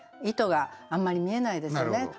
意図があんまり見えないですよね。